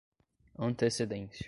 antecedência